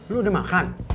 lu udah makan